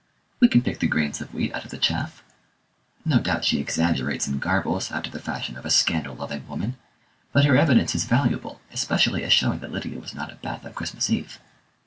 "We can pick the grains of wheat out of the chaff. No doubt she exaggerates and garbles, after the fashion of a scandal loving woman, but her evidence is valuable, especially as showing that Lydia was not at Bath on Christmas Eve.